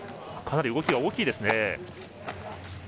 かなり動きが大きいですね。